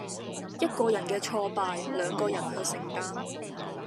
一個人嘅挫敗，兩個人去承擔